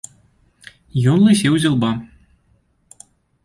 Ён лысеў з ілба.